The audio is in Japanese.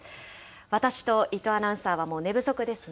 私と伊藤アナウンサーはもう寝不足ですね。